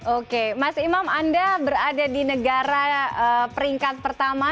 oke mas imam anda berada di negara peringkat pertama